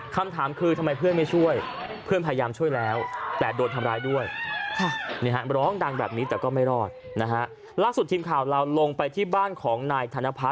คำถามคือทำไมพี่ไม่ช่วยพี่พยายามช่วยแล้วแต่โดดทำร้ายด้วย